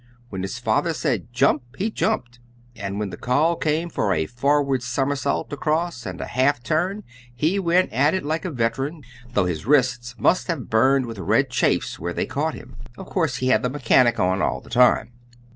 When his father said, "Jump," he jumped, and when the call came for a forward somersault across and a half turn he went at it like a veteran, though his wrists must have burned with red chafes where they caught him. Of course he had the 'mechanic' on all the time.